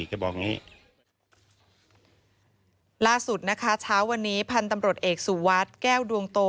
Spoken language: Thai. แกบอกอย่างงี้ล่าสุดนะคะเช้าวันนี้พันธุ์ตำรวจเอกสุวัสดิ์แก้วดวงโต